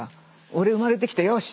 俺生まれてきてよし！